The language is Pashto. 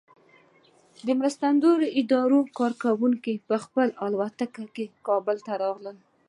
د مرستندویه ادارو کارکوونکي په خپلو الوتکو کې کابل ته راغلل.